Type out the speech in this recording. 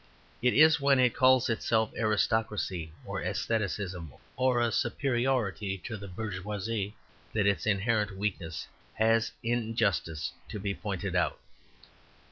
It is when it calls itself aristocracy or aestheticism or a superiority to the bourgeoisie that its inherent weakness has in justice to be pointed out.